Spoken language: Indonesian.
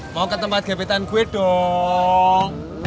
mau ke tempat gapitan gue dong